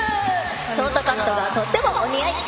ショートカットがとってもお似合い。